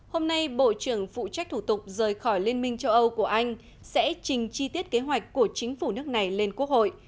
hôm nay bộ trưởng phụ trách thủ tục rời khỏi liên minh châu âu của anh sẽ trình chi tiết kế hoạch của chính phủ nước này lên quốc hội